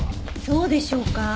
そうでしょうか？